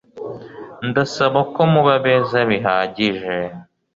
Ndasaba ko muba beza bihagije